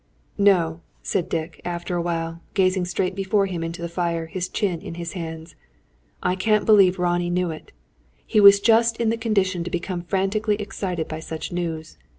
"No," said Dick, after a while, gazing straight before him into the fire, his chin in his hands; "I can't believe Ronnie knew it. He was just in the condition to become frantically excited by such news.